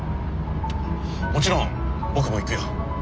もちろん僕も行くよ。